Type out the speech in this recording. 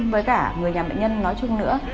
với cả người nhà bệnh nhân nói chung nữa